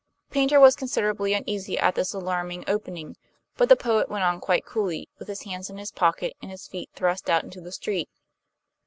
Paynter was considerably uneasy at this alarming opening; but the poet went on quite coolly, with his hands in his pockets and his feet thrust out into the street.